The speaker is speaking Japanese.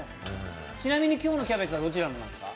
ちなみに今日のキャベツはどちらのなんですか？